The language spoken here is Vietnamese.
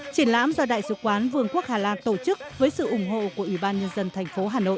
triển lãm do đại sứ quán vương quốc hà lan tổ chức với sự ủng hộ của ủy ban nhân dân thành phố hà nội